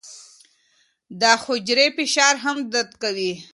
دا حجرې فشار هم درک کوي.